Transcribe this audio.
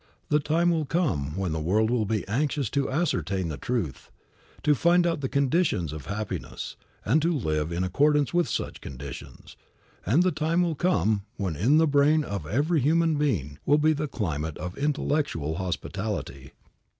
The time will come when the world will be anxious to ascertain the truth, to find out the conditions of happiness, and to live in accordance with such conditions; and the time will come when in the brain of every human being will be the climate of intellectual hospitality.